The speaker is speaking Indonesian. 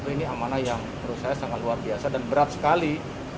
ini amanah yang menurut saya sangat luar biasa dan berat sekali